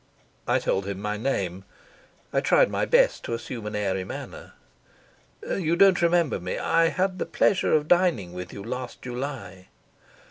I told him my name. I tried my best to assume an airy manner. "You don't remember me. I had the pleasure of dining with you last July."